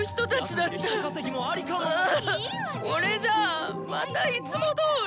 これじゃあまたいつもどおり。